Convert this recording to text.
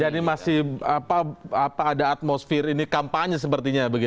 jadi masih apa ada atmosfer ini kampanye sepertinya